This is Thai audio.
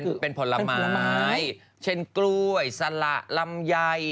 อเจมซ์เป็นผลไม้เช่นกล้วยสระรำไย